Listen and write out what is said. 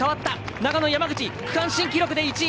長野、山口区間新記録で１位！